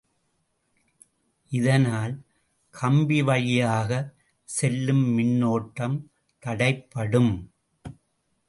இதனால் கம்பி வழியாகச் செல்லும் மின்னோட்டம் தடைப்படும்.